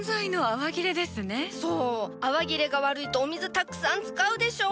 泡切れが悪いとお水たくさん使うでしょ！？